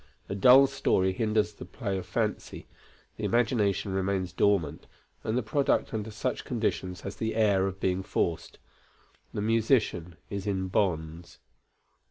A dull story hinders the play of fancy; the imagination remains dormant, and the product under such conditions has the air of being forced. The musician is in bonds.